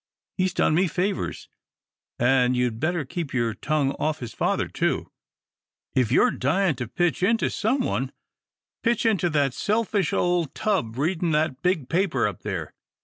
"He's done me favours, an' you'd better keep your tongue off his father, too. If you're dyin' to pitch into some one, pitch into that selfish ole tub a readin' that big paper up there.